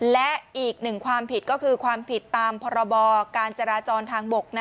และอีกหนึ่งความผิดก็คือความผิดตามพรบการจราจรทางบก